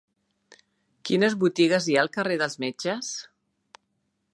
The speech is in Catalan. Quines botigues hi ha al carrer dels Metges?